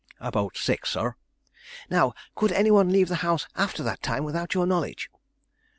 "About six, sir." "Now, could any one leave the house after that time without your knowledge?"